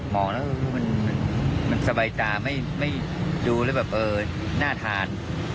มองแล้วมันสบายตาไม่ดูอะไรแบบหน้าทาน